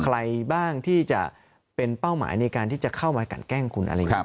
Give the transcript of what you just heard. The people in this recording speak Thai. ใครบ้างที่จะเป็นเป้าหมายในการที่จะเข้ามากันแกล้งคุณอะไรอย่างนี้